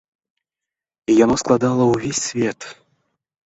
І яно складала ўвесь свет.